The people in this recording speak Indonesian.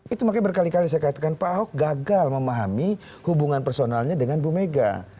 itu makanya berkali kali saya katakan pak ahok gagal memahami hubungan personalnya dengan bu mega